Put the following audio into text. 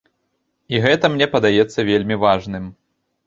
І гэта мне падаецца вельмі важным.